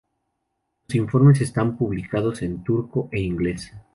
Los informes están publicados en turco e ingles.